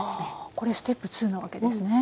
これステップ２なわけですね。